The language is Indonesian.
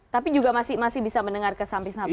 tapi juga masih bisa mendengar ke samping samping